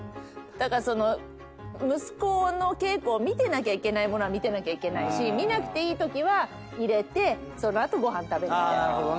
だから息子の稽古を見てなきゃいけないものは見てなきゃいけないし見なくていいときは入れてその後ご飯食べるって。